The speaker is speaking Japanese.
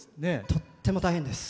とっても大変です。